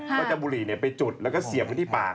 ก็จะบุหรี่ไปจุดแล้วก็เสียบไว้ที่ปาก